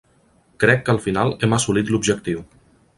Crec que al final hem assolit l'objectiu.